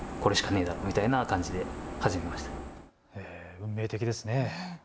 運命的ですね。